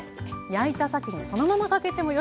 焼いたさけにそのままかけてもよし。